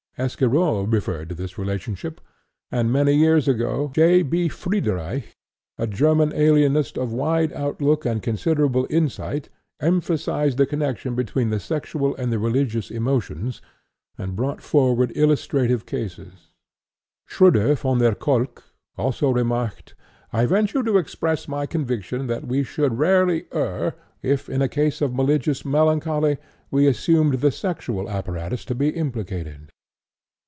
Esquirol referred to this relationship, and, many years ago, J.B. Friedreich, a German alienist of wide outlook and considerable insight, emphasized the connection between the sexual and the religious emotions, and brought forward illustrative cases. Schroeder van der Kolk also remarked: "I venture to express my conviction that we should rarely err if, in a case of religious melancholy, we assumed the sexual apparatus to be implicated."